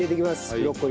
ブロッコリー。